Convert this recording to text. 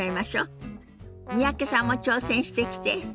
三宅さんも挑戦してきて。